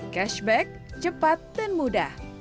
cashback cepat dan mudah